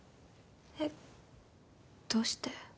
えっどうして？